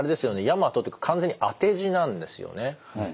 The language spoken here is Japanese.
「夜麻登」って完全に当て字なんですよね。